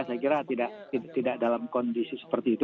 saya kira tidak dalam kondisi seperti itu